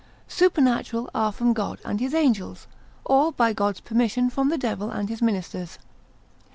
Supernatural are from God and his angels, or by God's permission from the devil and his ministers.